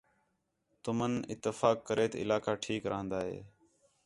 تُمن اتفاق کریت علاقہ ٹھیک راہن٘دا ہے